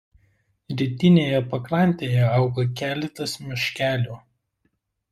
Rytinėje pakrantėje auga keletas miškelių.